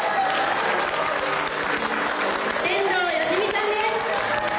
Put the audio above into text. ・天童よしみさんです！